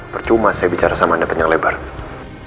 percuma saya bicara sama anda penyelenggara